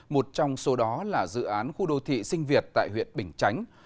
một trong số đó là dự án khu đô thị sinh việt tại huyện bình chánh